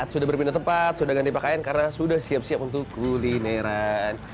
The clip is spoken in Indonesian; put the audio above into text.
sudah berpindah tempat sudah ganti pakaian karena sudah siap siap untuk kulineran